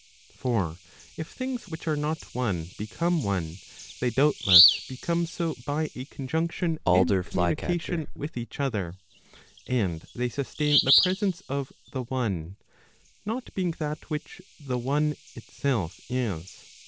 For if things which are not one become one, they doubtless become so by a conjunction and communication with each other, and they sustain the presence of the one, not being that which the one itself is.